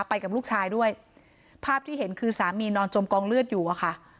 ไปกับลูกชายด้วยภาพที่เห็นคือสามีนอนจมกองเลือดอยู่อะค่ะ